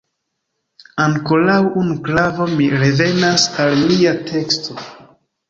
Ankoraŭ unu klavo – mi revenas al mia teksto.